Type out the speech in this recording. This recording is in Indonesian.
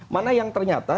mana yang ternyata